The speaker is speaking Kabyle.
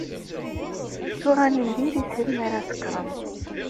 Ttuɣalen diri-ten mi ara sekṛen.